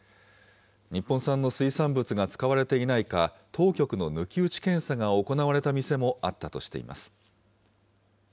日本産の水産物が使われていないか、当局の抜き打ち検査が行われた店もあったとしています。